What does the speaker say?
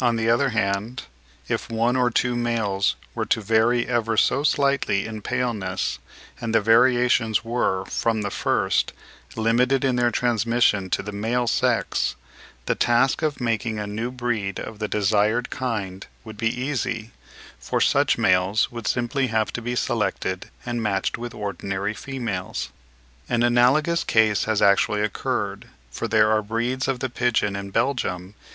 On the other hand, if one or two males were to vary ever so slightly in paleness, and the variations were from the first limited in their transmission to the male sex, the task of making a new breed of the desired kind would be easy, for such males would simply have to be selected and matched with ordinary females. An analogous case has actually occurred, for there are breeds of the pigeon in Belgium (4.